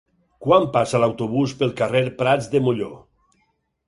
Quan passa l'autobús pel carrer Prats de Molló?